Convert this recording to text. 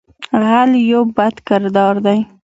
غل یو بد کردار دی